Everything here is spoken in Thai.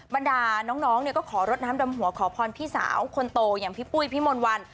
บรรดาน้องเนี่ยก็ขอรดน้ำดำหัวขอพรพี่สาวคนโตอย่างพี่ปุ้ยพี่มนต์วัน